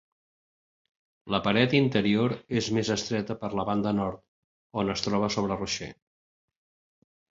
La paret interior és més estreta per la banda nord, on es troba sobre Roche.